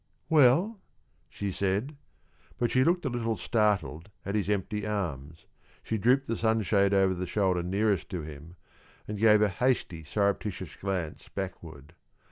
"Well?" she said, but she looked a little startled at his empty arms; she drooped the sunshade over the shoulder nearest to him, and gave a hasty, surreptitious glance backward.